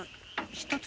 １つ？